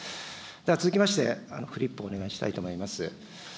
では続きまして、フリップお願いしたいと思います。